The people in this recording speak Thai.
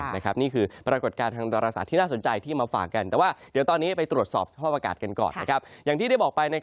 เรื้อเตรียมขนวิ่งไง